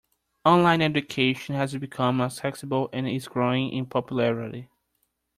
Online Education has become accessible and is growing in popularity.